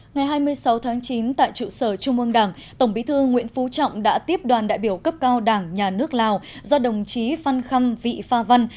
ngày hai mươi sáu tháng chín tại trụ sở trung ương đảng tổng bí thư nguyễn phú trọng đã tiếp đoàn đại biểu cấp cao đảng nhà nước lào do đồng chí phan khâm vị pha văn